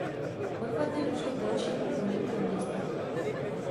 O dva dny došlo k dalšímu průniku do města.